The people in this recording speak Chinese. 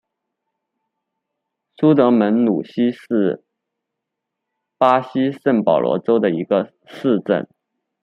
苏德门努西是巴西圣保罗州的一个市镇。